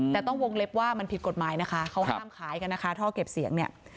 แต่ต้องวงเล็บว่ามันผิดกฎหมายนะคะเขาห้ามขายกันนะคะท่อเก็บเสียงเนี่ย